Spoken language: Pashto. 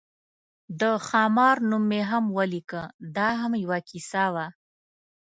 د خامار نوم مې هم ولیکه، دا هم یوه کیسه وه.